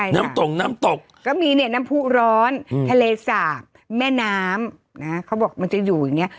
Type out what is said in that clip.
น้ำตกน้ำตกก็มีเนี่ยน้ำผู้ร้อนทะเลสาบแม่น้ำนะเขาบอกมันจะอยู่อย่างเงี้